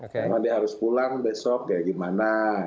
kemudian harus pulang besok kayak gimana